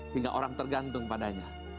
hingga orang tergantung padanya